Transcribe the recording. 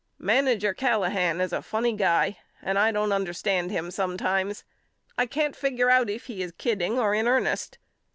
Manager Callahan is a funny guy and I don't understand him sometimes. I can't figure out if he is kidding or in ernest.